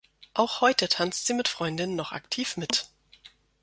Auch heute tanzt sie mit Freundinnen noch aktiv mit.